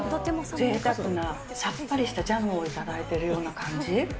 ぜいたくなさっぱりしたジャムを頂いてるような感じ？